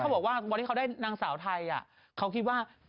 บอกว่าวันที่เขาได้นางสาวไทยเขาคิดว่า